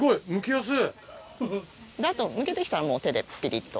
あとむけて来たらもう手でピリっと。